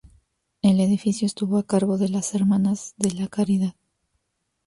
El edificio estuvo a cargo de las Hermanas de la Caridad.